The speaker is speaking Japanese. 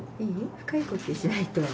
深い呼吸しないと。